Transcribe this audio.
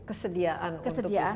kesediaan untuk kecepatan